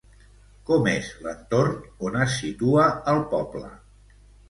Com és l'entorn on es situa el poble?